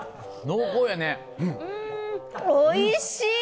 おいしい！